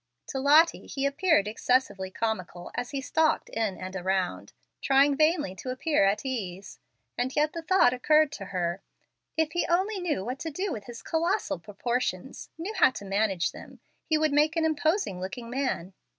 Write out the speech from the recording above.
To Lottie he appeared excessively comical as he stalked in and around, trying vainly to appear at ease. And yet the thought occurred to her, "If he only knew what to do with his colossal proportions knew how to manage them he would make an imposing looking man."